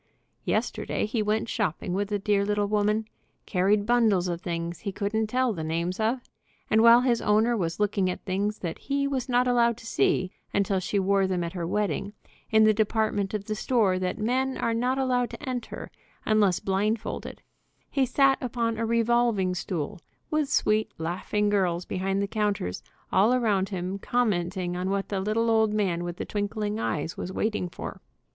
Yester day he went shopping with the dear little woman, carried bundles of things he couldn't tell the names of, and while his owner was looking at things that he was not allowed to see until she wore them at her wedding, in the department of the store that men are not allowed to enter unless blindfolded, he sat upon a revolving stool with sweet, laughing girls behind the counters all around him, commenting on what the lit "ADMIRAL, is MY HAT ON STRAIGHT?" 19 tie old man with the twinkling eyes was waiting for.